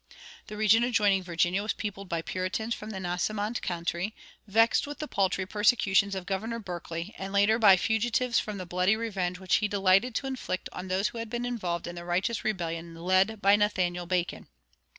The region adjoining Virginia was peopled by Puritans from the Nansemond country, vexed with the paltry persecutions of Governor Berkeley, and later by fugitives from the bloody revenge which he delighted to inflict on those who had been involved in the righteous rebellion led by Nathaniel Bacon.